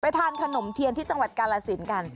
ทานขนมเทียนที่จังหวัดกาลสินกัน